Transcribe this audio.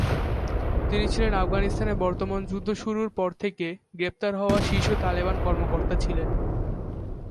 তিনি ছিলেন আফগানিস্তানের বর্তমান যুদ্ধ শুরুর পর থেকে গ্রেপ্তার হওয়া শীর্ষ তালেবান কর্মকর্তা ছিলেন।